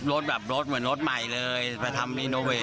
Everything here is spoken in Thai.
อ๋อรถแบบเหมือนรถใหม่เลยไปทำ